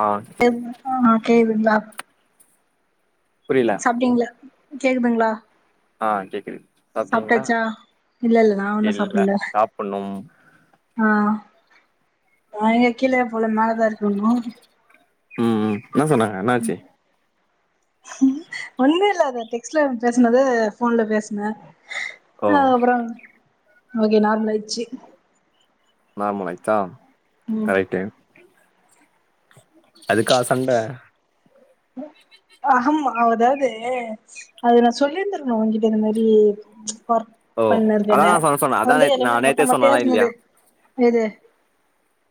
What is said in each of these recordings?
ஆ ம் ஆஹா கேபில் இல்லா புரியல சாப்டிங்ளா கேக்குதுங்க்ளா ஆ கேக்குது சாப்டிங்களா இல்ல இல்ல நா ஒன்னு இல்ல சாப்புட்ல சாப்புண்ணும் ஆ நா எங்க கீழயே போல மேல தா இருக் குட் மானி உம் உம் என்னா சொன்னாங்க என்ன ஆச்சி ம் ஒன்னு இல்ல அது டெக்ஸ்ட்ல அம் பேஸ்னது ஃபோன்ல பேஸ்ன ஓ அதுக்கப்புறோ ஓகே நார்மல் ஆய்ட்ச்சி நார்மலாய்ச்சா ஆய்ட்டு அதுக்கா சண்ட அ ஆமா அதாவ்து அது நா சொல்லிருந்துருக்ணு உங்ககிட்ட இந்த மாறி ஓ அதா நா சொல்ல சொன்ன அதா நேத் நா நேத்தே சொன்னனா இல்லயா எது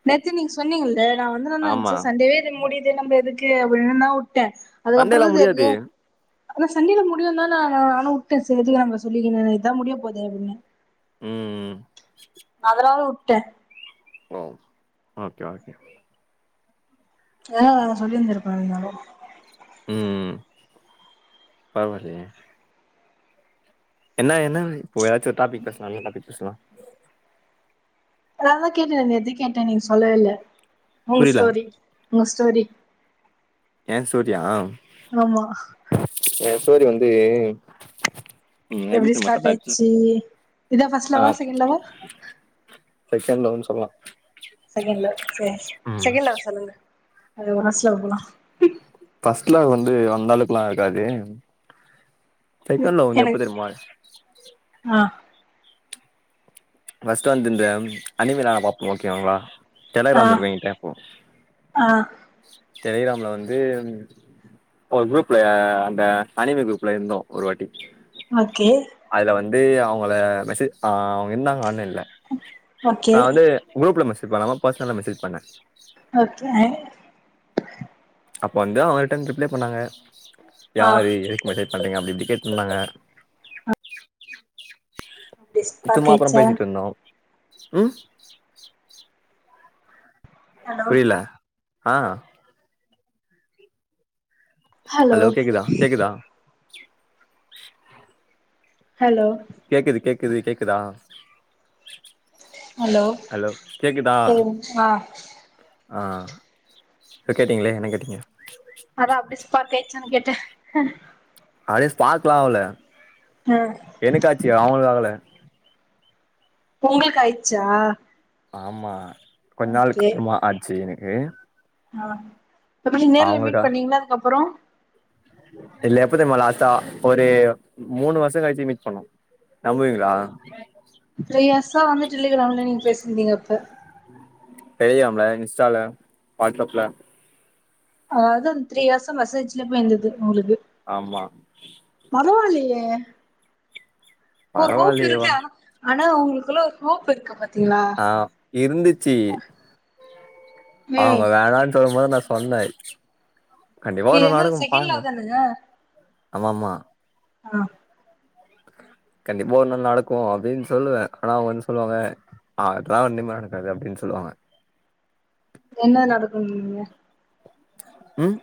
நேத்து நீங்க சொன்னீங்கள்ல நா வந்து என்ன ஆமா நெனச்சே சண்டேவே இது முடியுது சேர் நம்ப எதுக்கு அப்டினுனா வுட்டே சண்ட எல்லா முடியாது அது சண்ட எல்லா முடியோந்தா நானு வுட்டே சரி எதுக்கு நம்ம சொல்லிகினு இத்தா முடிய போதே அப்டினு ம் அதனால வுட்டேன் ஓ ஓகே ஓகே ஆஹ் சொல்லிருந்திருப்பேன்தாலும் உம் உம் பரவாலயே என்ன என்ன எதாச்சும் ஒரு டாப்பிக் பேசலாம் என்ன டாப்பிக் பேசலாம் ழ்ஜ்ோ அததான் கேட்டேன் எத கேட்டேன் நீங்க சொல்லவே இல்ல உங்க புரியல ஸ்டோரி உங்க ஸ்டோரி ஏன் சூர்யா ஆமா சூரி வந்து வந்து எப்படி ஸ்டார்ட் ஆயிடுச்சு இதான் ஃபர்ஸ்ட் ஆ லவ்வா செகண்ட் லவ்வா செகண்ட் லவ்னு சொல்லாம் செகண்ட் லவ் சரி செகண்ட் லவ்வ சொல்லுங்க அது உரசல போலாம் ஃபர்ஸ்ட் லவ் வந்து அந்தளவுக்கெல்லாம் இருக்காது செகண்ட் லவ் வந்து எப்படி எனக்கு தெரியுமா ஆ ஃபஸ்டா வந்து அனிம நான ப பாபோம் ஓகேங்களா ஆ டெலகிராம் இருக்கங்கிட்டேப்போ ஆ டெலிகிராம்ல வந்து ஒரு குரூப்ல அந்த அனிமை குரூப்ல இருந்தோம் ஒரு வாட்டி ஓகே அதுல வந்து அவங்கள மெசேஜ் அ அவங்க இருந்தாங்க ஆன்லைன் ல நான் ஓகே வந்து குரூப்ல மெசேஜ் பண்ணாம பர்சனலா மெசேஜ் பண்ணேன் அப்ப வந்து அவங்க ரிட்டர்ன் ரிப்ளை பண்ணாங்க யார எக்கு மெஸேஜ் பண்றீங்க அப்படி இப்படி கேட்டந்தாங்க [unintelligible] ட் பாக்கேட்ச்சா ம் ஹலோ ஆஹ் ஹலோ கேக்குதா கேக்குதா ஹலோ க்குது கேக்குதா ஹலோ ஹலோ கேக்குதா ம் ஆஹ் ஆ இப்போ கேட்டிங்களே என்ன கேட்டீங்க ச்சா கேட்ட ஆடியோ ஸ்பார்க் லா ஆகல ஆ எனக்காச்சி அவங்களுக்காகல உங்குளுக்காய்ருச்சா ஆமா கொஞ்ச நாள்ளுக்கு அப்றோமா ஆச்சு என கு ஆஹ் எப்டி நேர்ல மீட் பண்ணீங்களா அதுக்கப்றோ இல்ல எப்பத்தெர்மா லாஸ்டா ஒரு மூணு வர்ஷோ கழிச்சு மீட் பண்ணோ நம்புவீங்களா த்ரீ இயர்ஸா வந்து டெலிகிராம் ல நீங்க பேசிருந்தீங்க அப்ப டெலிகிராம்ல இன்ஸ்டால வாட்ஸ்அப்ல அஹ் அதுந்து த்ரீயேர்ஸ் மெசேஜ்ல போயிந்தது உங்களுது ஆமா பரவால்லயே ஒரு ஹோப் இருக்கு பரவாயில்லையேவா ஆனா உங்களுக்குள்ள ஒரு ஹோப் இருக்கு பாத் ஆஹ் இருந்துச்சு அவங்க ம் வேணானு சொல்லும்போது நா சொன்ன கண்டிப்பா ஒரு இது நாள் என்ன நடக்கும் செகண்ட் பாருங்க லவ் தானுங்க ஆமாம்மா ஆஹ் கண்டிப்பா ஒரு நாள் நடக்கு அப்டின்னு சொல்லுவே ஆனா அவங்க வந்து சொல்லுவாங்க அதலா ஒன்னுமே நடக்காது அப்டின்னு சொல்லுவாங்க என்ன நடக்குனீங்க உம்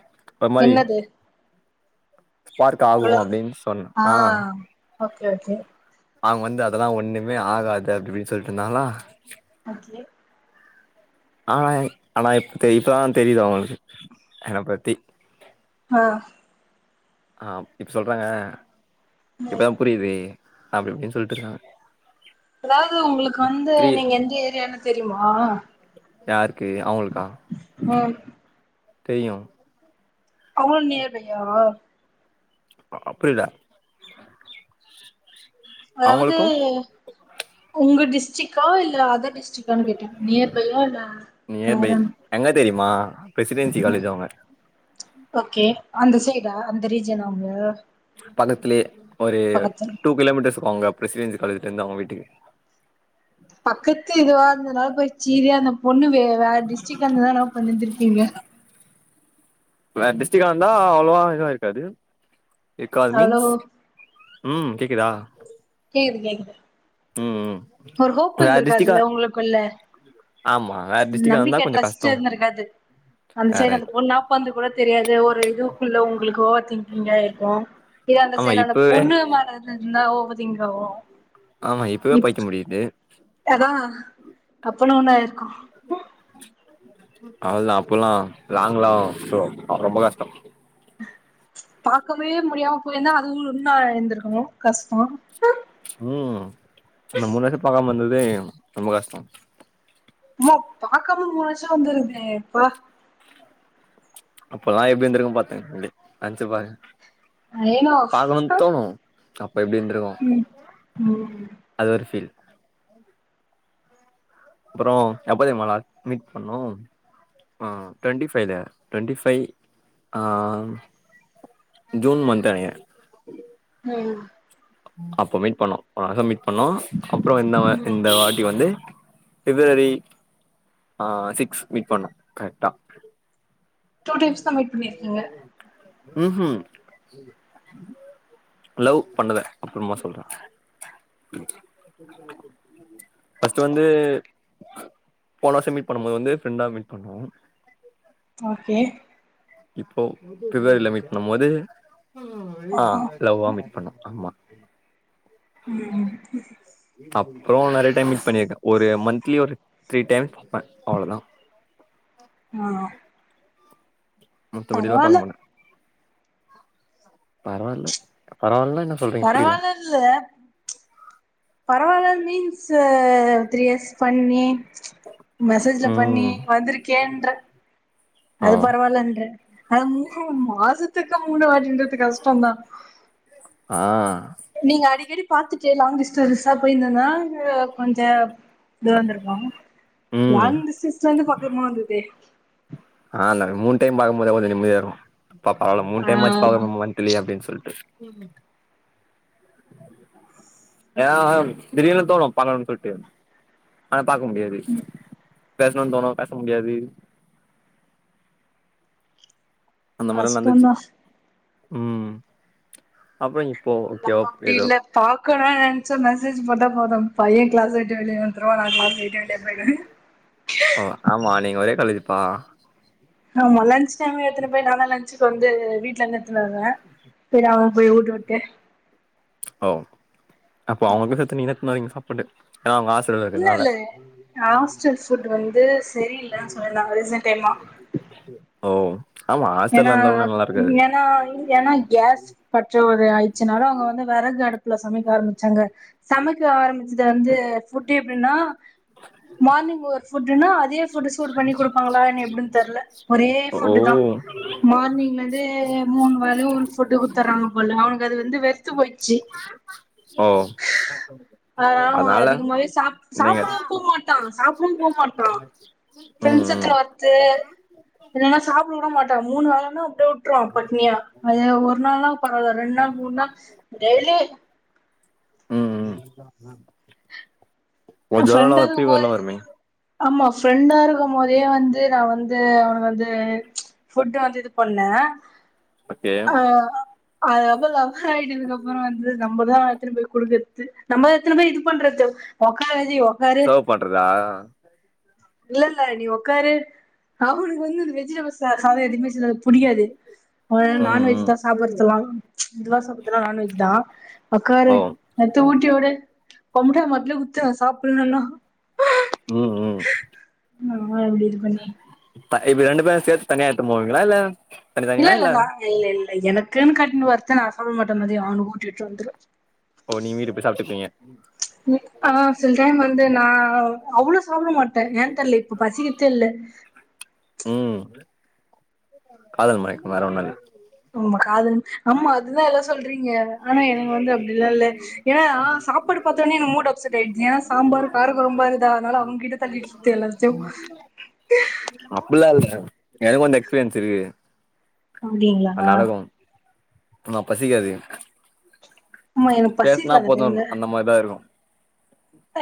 என்னது ஸ்பார்க் ஆகு ஹலோ அப்டின்னு சொன்ன ஆ ஆஹ் ஓகே ஓகே அவங்க வந்து அதெல்லா ஒண்ணுமே ஆகாது அப்டி இப்டினு சொல்லிட்டு இருந்தாங்களா ஓகே ஆனா ஆனா இப்ப தெரியு இப்பதா தெரியுது அவங்களுக்கு என்ன பத்தி ஆஹ் ஆஹ் இப்ப சொல்றாங்க ம் இப்பதா புரியுது அப்டி இப்டி சொல்லிட்டு இருந்தாங்க அதாவது உங்களுக்கு வந்து நீங்க எந்த ஏரியானு தெ ரியுமா யாருக்கு அவுங்களுக்கா உம் தெரியும் அவளும் நேர்லயா அப்படிதா அதாவது உங்க டிஸ் டரிக்ட் ஆ இல்ல அதர் டிஸ்ட்ரிக்டா கேட்ட நியர்பையா இல்ல ஃபேர் ஆன் மா பிரசிடென்சி காலேஜ் அவங்க ஓகே அந்த சைடா அந்த ரீஜ்யனா அவங்க பக்கத்திலயே ஒரு டூ கிலோமீட்டர்ஸ் அங்க பிரசிடென்சி காலேஜ்டருந்து அவங்க வீட்டுக்கு பக்கத்து இதுவா இருந்ததுனால [unintelligible] பொண்ணு வே வேற டிஸ்ட்ரிக்கா இருந்துதனா என்னா பண்ணிருந்திருப்பீங்க வேற டிஸ்ட்ரிக்கா இருந்தா அவ்வளவா இதுவாயிருக்காது இருக்காது அவ்ளோ மீன்ஸ் ம் கேக்குதா கேக்குது கேக்குது ம் ம் ஒரு ஹோப் வேற இருந்திருக்காதுல்ல டிஸ்ட்ரிக்டா உங்களுக்குள்ள ஆமா வேற டிஸ்ட்ரிக்டா இருந்தா நம்பிக்கை கொஞ்சோ ட்ரஸ்ட்ட் கஷ்டோ இருந்திருக்காது அந்த சைடு அந்த கரெக்ட் பொண்ணு என்னாப்பன்னுதுனு கூட தெரியாது ஒரு இதுக்குள்ள உங்களுக்கு ஓவர் திங்கிங் ஆ இருக் கு இது அந்த ஆமா சைட அந்த இப்பவே பொண்ணு மாறந்துருந்தா ஓ [unintelligible] ஆமா இப்பவே பயித்தியம்புடிக்குது [unintelligible] அப்பனா ஒண்ண ஆயிருக்கோ அதான் அப்போல்லா லாங்க்லா ரொம்ப கஷ்டம் பாக்கவே முடியாம போயிருந்தா அதுவு ஒன்னா இருந்திருக்கணு கஷ்ட உம் அந்த மூணு வருஷ பாக்காம இருந்தது வே ரொம்ப கஷ்டோ உம்மா பாக்காம மூணு வருஷோ வந்துருந்தே பா அப்பல்லா எப்டி இருந்திருக்கும் பாத்துங்க நென்ச்சு பாருங்க அயனோ ஹ தப் ப எப்டி இருந்துருக்கு ம் அது ஒரு ஃபீல் அப்பறோ எப்ப தெரியுமா லா மீட் பண்ணோ ஆ ட்வெண்டி ஃபைவ்ல ட்வெண்டி ஃபைவ் ஆ ஜூன் மந்த் நெனக்கிற ம் அப்ப மீட் பண்ணோ வரஹமீட் பண்ணோ அப்றோ இந்த வா ம் இந்த வாட்டி வந்து ஃபிப்ரரி ஆ சிக்ஸ் மீட் பண்ணோ கரெக்டா டூ டைம்ஸ் தான் மீட் பண்ணிருக்கிங்க ம் ஹூம் லவ் பண்ணத அப்புறமா சொல்ற ஃபர்ஸ்ட் வந்து போன வருஷம் மீட் பண்ணும்போது ஃப்ரண்டா மீட் பண்னோ ஓகே இப்போ பிப்ரவரில மீட் பண்ணும் போது ஆ லவ்வா மீட் பண்ணோ ஆமா அபிமா ம் அப்றோ நெறைய டைம் மீட் பண்ணிருக்கே ஒரு மந்த் க்லி ஒரு த்ரீ டைம்ஸ் பாப்ப அவ்ளோதா ஆ ஆ மத்தபடி லா பாக்க பரவால்ல மாட்ட பரவால்ல பரவால்ல பரவாலன்ல பரவால்ல மீன்ஸு த்ரீ இயர்ஸ் பண்ணி மெசேஜ்ல பண்ணி ம் வந்துருக்கேன்ற ஆ அது பரவால்லன்ற அ மாசத்துக்கு மூள வளர்ச்சின்றது கஷ்டம் தா ஆ நீங்க அடிக்கடி பாத்துட்டு லாங் டிஸ்டன்ஸா போயிருந்தன்னா இல்ல கொஞ்ஜ இது வந்திருக்கோ ம் லாங் டிஸ்டன்ஸ்ல இருந்து பாக் கர்மாந்துதே [unintelligible] மூண் டைம் பாக்கும் போதே கொஞ்ச நிம்மதியா இருக்கூ பாப்பாவால ஆ மூண்டைம்மாச்சு [unintelligible] மந்த்லி அப்டின் சொல்ட்டு ஏ திடீர்னு தோனு பாக்கனுன் சொல்ட்டு அ பாக்க முடியாது பேஸ்னுன் தோணு பேச முடியாது கஸ்டோந்தா உம் அப்புறோ நம்ப அப்டி இல்ல பாக்கணு நனச்சா மெசேஜ் போட்டா போதும் பையன் கிளாஸ்ஸ விட்டு வெளியே வந்துருவா நா களாஸ்ஸ விட்டே வெளிய போய்டுவே ஓ ஆமா நீங்க ஒரே காலேஜ் ப்பா ஆமா லன்ச் டைம்ல எடுத்துனு போய் நா தா லஞ்சுக்கு வந்து வீட்ல இருந்து எத்துனு வருவ பின்ன அவுங் போய் ஊட்டி விட்டு ஒ அப்போ அவுங்களுக்கு சேத்து நீ தா இந்தா நிங்க சாப்புடு இல்ல இல்ல ஹாஸ்டல் ஃபுட் வந்து செ ஓ ஆமா ஏனா ஹாஸ்டல்ல இருந்தா ஒன்னு நல்லா இருக்காது ஏனா ஏனா கேஸ் பற்றா கொற ஆயிச்சுனால அவுங்க வந்து வெறகு அடுப் நல்லா ‌ சமைக்க ஆரம்பிச்சாங்க சமைக்க ஆரம்பிச்சது வந்து ஃபுட் டு எப்டினா மார்னிங் ஒரு ஃபுட்டுனா அதே ஃபுட்டு சூடு பண்ணி குடுப்பாங்களானு எப்டினு ‌‌தெரில ஒரே ஓ ஃபுட்டு தா மார்னிங்ல இருந்து மூணு வேலயு ஒரு ஃபுட்டு குடுத்துர்றாங்க போல அவனுக்கு அது வந்து வெறுத்து போயிச்சு ஓ அதனால அவ அதிகமாவே சாப் சாப்டவு போ மாட்டா ‌ சாப் டவு போ மாட் உம் உம் இல்லனா சாப்ட விட மாட் டா மூணு வேலனா அப்டியே விட்டுருவா பட்னியா அது ஒரு நால்னா பரவால ரெண்டு நாள் மூணு நாள் டெய்லி உம் உம் உங்க ஜொரோலா ஃப்ரெண்டா அ இருக்கும் போது ஃபீவர்லா வருமே ஆமா ஃப்ரெண்டா இருக்கும் போதே வந்து நா வந்து அவனுக்கு வந்து ஃபுட் வந்து இது பண்ணே ஓகே அதுக்கப்புறலா ஆயிட்டதுக்கு அப்புறோ வந்து த நம்ம தா எடுத்துனு போய் குடுக்குறது நம்ப எத்துனு போய் இது பண்றது அ கலைலயே வா சர்வ் பண்றதா இல்ல இல்ல நீ உக்காரு அவனுக்கு வந்து வெஜிடபிள் சா சாதம் எதுவுமே சிலது புடிகாது அவ ம் நான்வெஜ் ம் தா சாப்ரத்தலா இதுவா சாப்பத்துலா நான்வெஜ் தா ஒக்காரு ஓ நத்த ஊட்டி விடு கொமட்டா மட்ல குத்துவே சாப்பலனா உஹம் உஹம் ஆ இப்டி இது பண்ணி இப் இப்ப ரெண்டு பேரும் சேத்து தனியா எத்துனு போவீங்களா இல்ல தனி இல்ல தனியா இல்ல நா இ இங் எனக்குன்னு கட்டினனு வருத நா சொல்ல மாட்டே மதியம் அவனுகு ஊட்டி விட்டு வந்துருவே ஓ நீங்க வீட்டுக்கு போய் சாப்ட்டுப்பீங்க ஆஹ் சில டைம் வந்து நா அ அவ்ளோ சாப்ட மாட்ட ஏ தெர்ல இப்ப பசிகர்தே இல்ல ம் காதல் மயக்கோ வேற ஒன்னு இல்ல ஆமா காதல் ஆமா அது தா எல்லா சொல்றீங்க ஆனா எனக்கு வந்து அப்டிலா இல்ல ஏனா சாப்பாட பாத்தோனே எனக்கு மூட் அப்சட் ஆயிடுது ஏனா சாம்பார் கார கொழம்பா இருகுதா அதனால அவன் கிட்ட தள்ளி விட்டு எல்லாத்தையு தெரிலயே அப்டிங்களா ஆமா பசிக்காது ஆமா எனக்கு பேசனா பசிக்கல அந்த டைம்ல போதுன்ருக் அந்த மா தா இருக்கு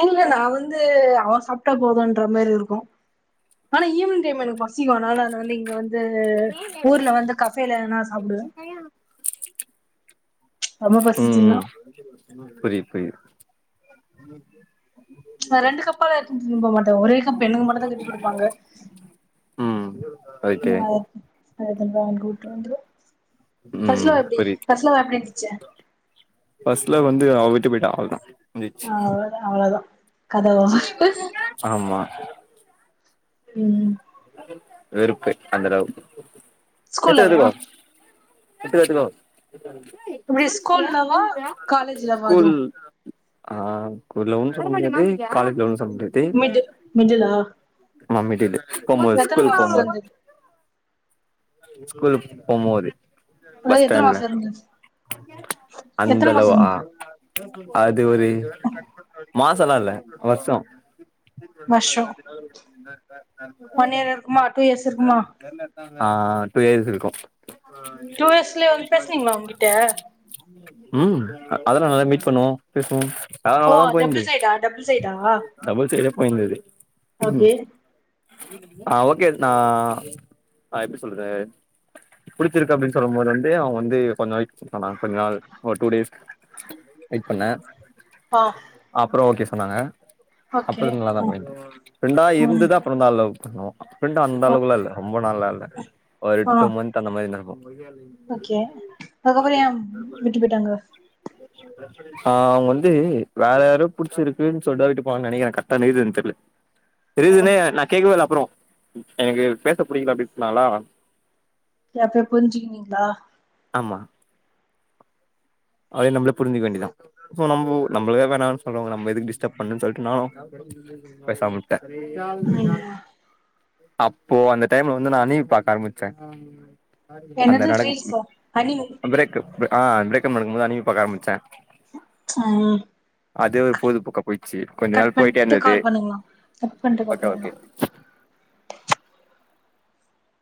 இல்ல நா வந்து அவ சாப்ட்டா போதுன்ற மாரி இருக்கு ஆனா ஈவினிங் டைம் எனக்கு பசிக்கு அதனால ஏ வந்து இங்க வந்து அது ஊர்ல வந்து கஃபேல எதுனா சாப்டுவே ரொம்ப உம் பசிச்சுன்னா உம் புரிது புரிது உம் நா ரெண்டு கப்பல்லா எத்துணு போ மாட்ட ஒரே கப் எனக்கு மட்டு தா கட்டி கொடுப்பாங்க ம் ஓகே [unintelligible] [inaudible] ஃபர்ஸ்ட் ம் லவ் எப்டி புரியுது ஃபர்ஸ்ட் லவ் எப்டி இருந்துச்சு ஃபர்ஸ்ட் லவ் வந்து அவ விட்டு போயிட்டா அவ்ள தா ஆஹ் அவ்ள தா அவ்ளதா கதவா ஹ ஆ உம் வெறுப்பு அந்த அளவுக்கு ஸ்கூல்லதா ஸ்கூல்லவா [unintelligible] காலேஜ்லவா ஸ்கூல் அதுவு ஆஹ் ஸ்கூல்லவ்வு சொல்ல முடியாது காலேஜ் லவ்வு சோ மிடில் மிடுலா நம்மில் கிட்டு போமோது ஸகூல் போமோது ஸ்கூலுக் போமோது ஃபுல்லா எத்தன மாச இருந்துச் எத்தன மாஸ் இந்த் அத் த்து ஒரு மாசோலா இல்ல வர்ஷோ வருஷோ ஒன் இயர் இருக்குமா டூ இயர்ஸ் இருக்குமா ஆஹ் டூ இயர்ஸ் இருக்கு டூ இயர்ஸ்லே வந் பேஸ்னீங்ளா அவுங்கிட்ட உம் அதெல்லா நல்லா மீட் பண்ணுவோ பேசுவோ ஓ அதனாலதா அஹ் போயிந்தது டபுள் சைடா டபுள் சைடா டபுள் சைடே ஓகே ஆஹ் ஓகே நா அஹ் எப்டி சொல்றது புடிச்சிருக்கு அப்டின சொல்லுமோது வந்து அவுங்க வந்து கொஞ்ச நாள்க்கு ப்ண்ணாங் கொஞ்சு நாள் ஒர் டூ டேஸ் வெயிட் பண்ண ஆ அப்புறோ ஓகேஸ் சொன்னாங்க அப்ப ஓகே இருந்து நல்லாதா ஆ போய்ட்ருக் ஃப்ரெண்டா இருந்து ம் தாப் லவ் பண்ணோ அப்புன்டு அந்த ஆ அளவுலா இல்ல ரொம்ப நாள்லா இல்ல ஒரு ஆ எட்டு மந்த் அந்த மாரி இருக்கு ஓகே அதுக்கப்புறோ ஏன் விட்டு போய்டாங்க ஆஹ் அவுங் வந்து வேற யாரோ புடிச்சிருக்குன் சொல்டா விட்டு போவான் நெனைகிற கர்ட்டா அந்த ரிசன் தெர்ல ரீசனே தீவாள் அப்புறோ எனக்கு பேச புடிகுள அப்டின் சொன்னாலா தி ஆஃப்டர் புரிஞ்சுகின்னீங்ளா ஆமா அது நம்ளே புரிஞ்சுக் வேண்டிதா சோ நம்போ நம்ளே வேணான் சொல்றவங்கள நம்ப எதுக்கு டிஸ்டப் பண்ணுன் சொல்ட்டு நானு பேசாம உட்டே ம் [unintelligible] அப்போ அந்த டைம்ல வந்து நான் அணிவி பாக்க ஆரமிச்சே என்னது தீரிசிஸ் அ அனினு அ ப்ரேக் முக்கும்பது அனில் பாக்க ஆரம்பிச்சேன் ம் அது ஒரு போழுதுபோக்கா போயிச்சு கொஞ்ச கட் நாள் போயிட்டே பண்ட்டு இருந்தது கால் பண்ணுங்களா கட் பண்ட்டு கால் ஓகே ஓகே பண்ணுங்களா